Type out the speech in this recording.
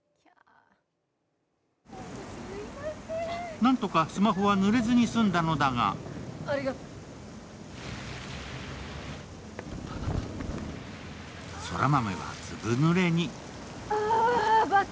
何とかスマホは濡れずに済んだのだが、空豆はずぶぬれに。